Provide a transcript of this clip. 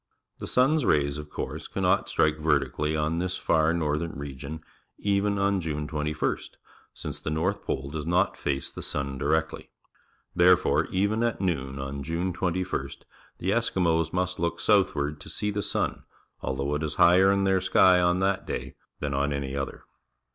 The sun's rays, of course, cannot strike vertically on this far northern region even on June 21st, since the north pole does not face the sun directly. Therefore, even at noon on June 21st, the Eskimos must look southward to see the sun, although it is higher in their ^ky on that day than on any other.